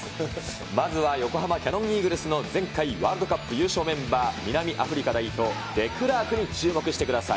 まずは横浜キヤノンイーグルスの前回ワールドカップ優勝メンバー、南アフリカ代表、デクラークに注目してください。